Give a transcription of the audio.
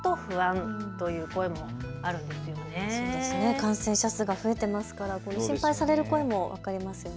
感染者数が増えていますから心配される声も分かりますよね。